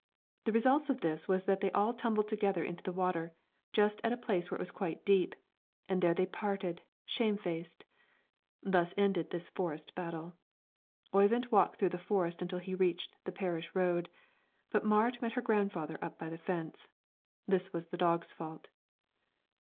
The result of this was that they all tumbled together into the water, just at a place where it was quite deep, and there they parted, shame faced. Thus ended this forest battle. Oyvind walked through the forest until he reached the parish road; but Marit met her grandfather up by the fence. This was the dog's fault.